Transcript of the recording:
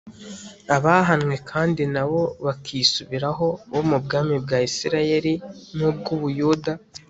abahanwe kandi nabo bakisubiraho bo mu bwami bwa Isirayeli nubwUbuyuda